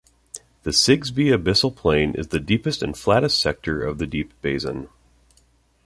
The Sigsbee Abyssal Plain is the deepest and flattest sector of the deep basin.